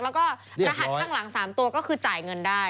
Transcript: แล้วก็รหัสข้างหลัง๓ตัวก็คือจ่ายเงินได้